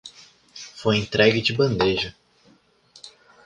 Foi entregue de bandeja